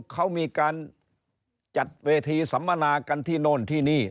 เขามีการจัดเวทีสัมมนากันที่โน่นที่นี่